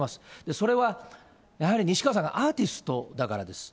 それはやはり西川さんがアーティストだからです。